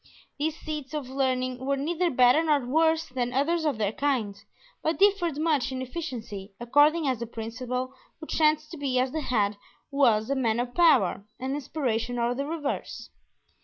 These seats of learning were neither better nor worse than others of their kind, but differed much in efficiency, according as the principal who chanced to be at the head was a man of power and inspiration or the reverse.